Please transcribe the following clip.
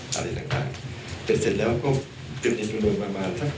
กลิ่นเนื้อจุดน้อย